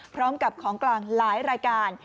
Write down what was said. พร้อมกับของกลางหลายรายการ